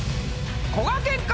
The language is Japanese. こがけんか？